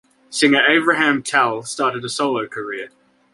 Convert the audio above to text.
Singer Avraham Tal started a solo career.